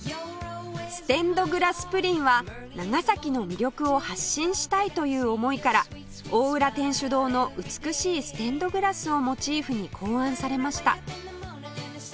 ステンドグラスプリンは長崎の魅力を発信したいという思いから大浦天主堂の美しいステンドグラスをモチーフに考案されました